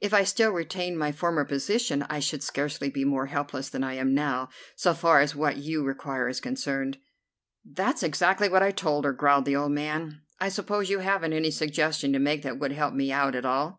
If I still retained my former position I should scarcely be more helpless than I am now, so far as what you require is concerned." "That's exactly what I told her," growled the old man. "I suppose you haven't any suggestion to make that would help me out at all?"